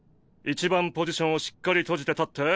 １番ポジションをしっかり閉じて立って。